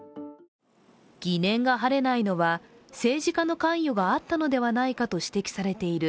疑念が晴れないのは政治家の関与があったのではないかと指摘されている